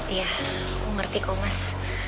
iya aku ngerti kok mas